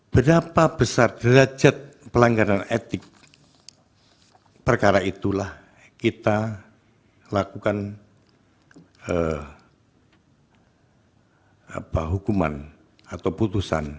berapa besar derajat pelanggaran etik perkara itulah kita lakukan hukuman atau putusan